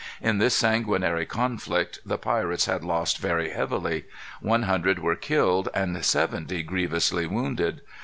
In this sanguinary conflict the pirates had lost very heavily. One hundred were killed and seventy grievously wounded.